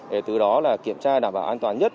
để từ đó kiểm tra đảm bảo an toàn nhất